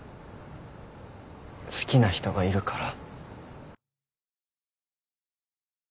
好きな人がいるから。